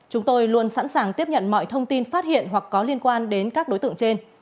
chúng tôi luôn sẵn sàng tiếp nhận mọi thông tin phát hiện hoặc có liên quan đến các đối tượng trên